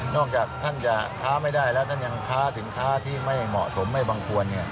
จากท่านจะค้าไม่ได้แล้วท่านยังค้าสินค้าที่ไม่เหมาะสมไม่บังควร